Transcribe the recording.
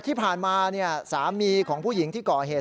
ที่ผ่านมาสามีของผู้หญิงที่ก่อเหตุ